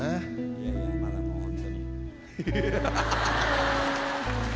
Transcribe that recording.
いやいやまだもう本当に。